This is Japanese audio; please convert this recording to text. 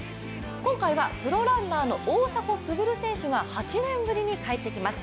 今回はプロランナーの大迫傑選手が８年ぶりに帰ってきます。